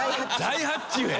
大発注や。